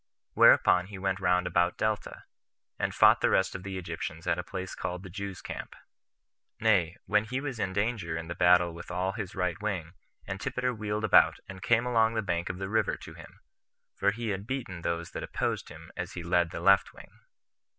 Whereupon he went round about Delta, and fought the rest of the Egyptians at a place called the Jews' Camp; nay, when he was in danger in the battle with all his right wing, Antipater wheeled about, and came along the bank of the river to him; for he had beaten those that opposed him as he led the left wing.